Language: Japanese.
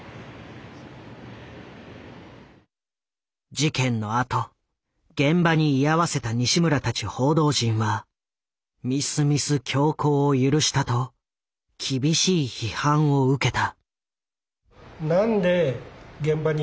事件のあと現場に居合わせた西村たち報道陣はみすみす凶行を許したと厳しい批判を受けた。